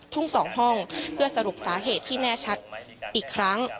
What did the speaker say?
ทุ่ง๒ห้องเพื่อสรุปสาเหตุที่แน่ชัดอีกครั้ง